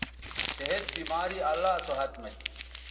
صحت، بیماری اللہ سو ھت مہ تھی